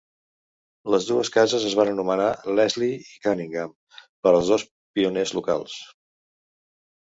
Les dues cases es van anomenar Leslie i Cunningham, per als dos pioners locals.